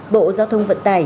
bộ giao thông vận tải